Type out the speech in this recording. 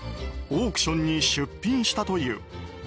オークションに出品したという。